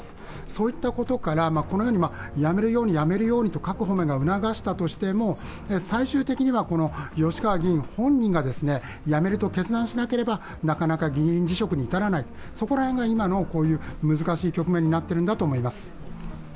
そういったことから、このように辞めるように、辞めるようにと各方面が促したとしても最終的には吉川議員本人がやめると決断しなければ、なかなか議員辞職に至らない、そこら辺が今の難しい局面になっているんだと思います。